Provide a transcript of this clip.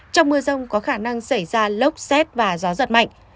trong mưa rông có khả năng xảy ra lốc xét và gió giật mạnh